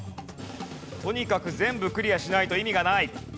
とにかく全部クリアしないと意味がない。